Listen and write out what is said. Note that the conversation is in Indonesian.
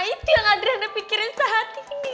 itu yang adriana pikirin saat ini